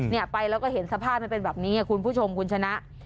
เนี่ยไปแล้วก็เห็นสภาพมันเป็นแบบนี้คุณผู้ชมคุณชนะ